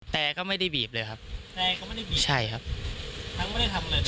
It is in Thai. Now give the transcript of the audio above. แต่ก็ไม่ได้บีบเลยครับแต่ก็ไม่ได้บีบใช่ครับทั้งไม่ได้ทำเลย